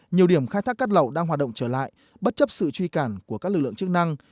nhiều điểm khai thác cát lậu đang hoạt động trở lại bất chấp sự truy cản của các lực lượng chức năng